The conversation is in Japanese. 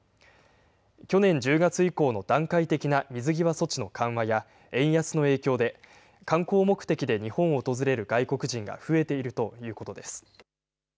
去年１０月以降の段階的な水際措置の緩和や、円安の影響で、観光目的で日本を訪れる外国人が増えているということです。